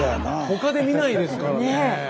他で見ないですからね。